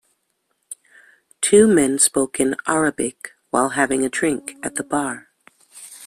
Two men spoke in Arabic while having a drink at the bar.